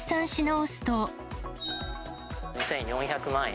２４００万円。